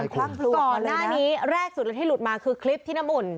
ก่อนหน้านี้แรกสุดเลยที่หลุดมาคือคลิปที่น้ำอุ่น